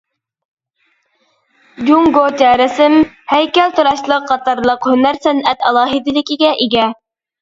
جۇڭگوچە رەسىم، ھەيكەلتىراشلىق قاتارلىق ھۈنەر-سەنئەت ئالاھىدىلىكىگە ئىگە.